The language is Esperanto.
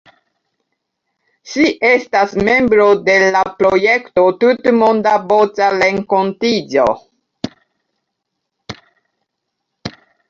Ŝi estas membro de la projekto "Tutmonda Voĉa Renkontiĝo".